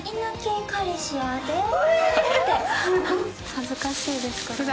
恥ずかしいですこれは。